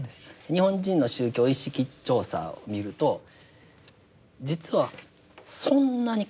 日本人の宗教意識調査を見ると実はそんなに変わってないですよね。